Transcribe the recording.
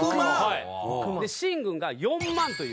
秦軍が４万という。